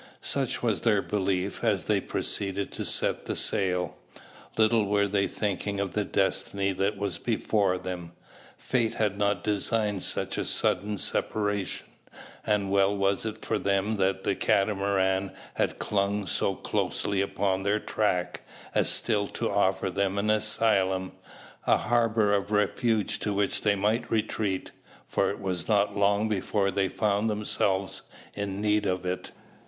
Such was their belief, as they proceeded to set the sail. Little were they thinking of the destiny that was before them. Fate had not designed such a sudden separation; and well was it for them that the Catamaran had clung so closely upon their track, as still to offer them an asylum, a harbour of refuge to which they might retreat, for it was not long before they found themselves in need of it.